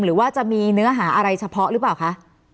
หรือว่าจะมีเนื้อหาอะไรเฉพาะหรือเปล่าคะ